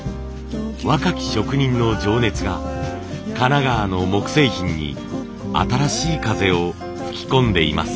若き職人の情熱が神奈川の木製品に新しい風を吹き込んでいます。